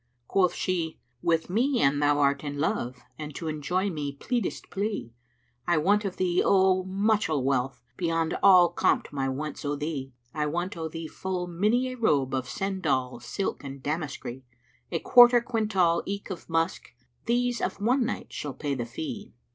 Quoth she, 'With me an thou 'rt in love * And to enjoy me pleadest plea, I want of thee oh! muchel wealth; * Beyond all compt my wants o' thee! I want o' thee full many a robe * Of sendal, silk and damaskry; A quarter quintal eke of musk: * These of one night shall pay the fee.